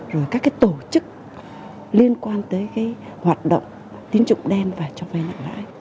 rồi các tổ chức liên quan tới hoạt động tín trụng đen và cho vay nặng lãi